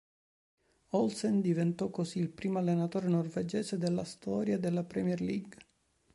Olsen diventò così il primo allenatore norvegese della storia della Premier League.